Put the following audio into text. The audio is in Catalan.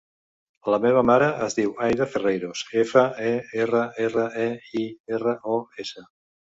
La meva mare es diu Aïda Ferreiros: efa, e, erra, erra, e, i, erra, o, essa.